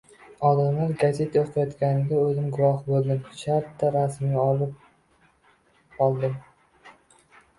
Odamlar gazeta oʻqiyotganiga oʻzim guvoh boʻldim. Shartta rasmga olib oldim.